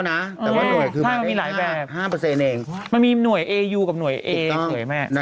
นี่คุณหมอเขาไม่แนะนำ